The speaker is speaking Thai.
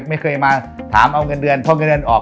ไม่เคยมาถามเอาเงินเดือนเพราะเงินเดือนออก